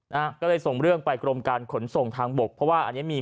นะฮะก็เลยส่งเรื่องไปกรมการขนส่งทางบกเพราะว่าอันนี้มี